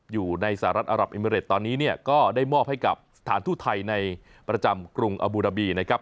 อยู่ในสหรัฐอารับเอเมริตตอนนี้เนี่ยก็ได้มอบให้กับสถานทูตไทยในประจำกรุงอบูราบีนะครับ